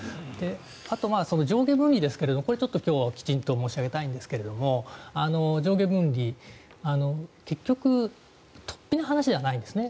あと、上下分離ですが今日、きちんと申し上げたいんですが上下分離は結局突飛な話ではないんですね。